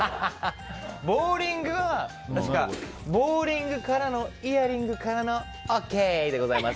ボウリングは確か、ボウリングからのイヤリングからのオッケーでございます！